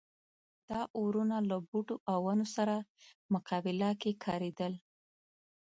دا اورونه له بوټو او ونو سره مقابله کې کارېدل.